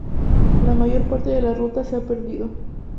La mayor parte de la ruta se ha perdido.